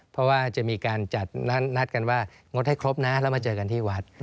เพราะว่าจะมีการจัดนัดกันว่างดให้ครบนะแล้วมาเจอกันที่วัด